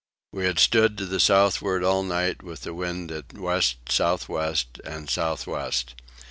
We had stood to the southward all night with the wind at west south west and south west.